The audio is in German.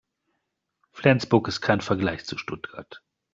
Flensburg ist kein Vergleich zu Stuttgart